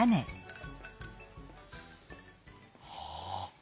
はあ。